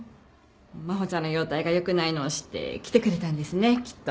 真帆ちゃんの容体が良くないのを知って来てくれたんですねきっと。